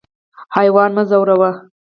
حیوان مه ځوروه.